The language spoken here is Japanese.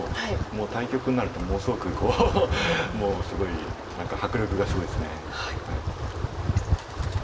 対局になるとものすごくもうすごい何か迫力がすごいです。